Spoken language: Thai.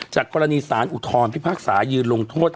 จากกรณีสารอุทธรณ์ที่ภาคสายืนลงโทษ